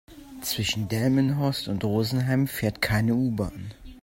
Zwischen Delmenhorst und Rosenheim fährt keine U-Bahn